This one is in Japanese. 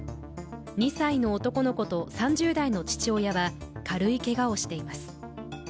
２歳の男の子と３０代の父親は軽いけがをしています。